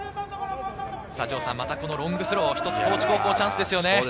またこのロングスロー、一つ高知高校、チャンスですね。